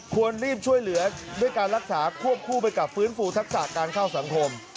ควรรีบช่วยเหลือด้วยการรักษาควบคู่ไปกับฟื้นฟูทักษะการเข้าสังคม